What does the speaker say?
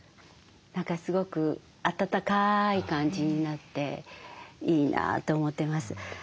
何かすごくあたたかい感じになっていいなと思ってます。